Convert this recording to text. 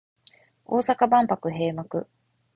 大阪万博閉幕